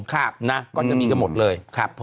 ก็จะมีกันหมดเลย